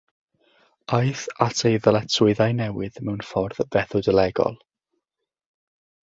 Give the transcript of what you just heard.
Aeth at ei ddyletswyddau newydd mewn ffordd fethodolegol.